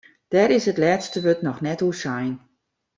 Dêr is it lêste wurd noch net oer sein.